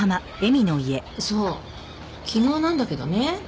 そう昨日なんだけどね。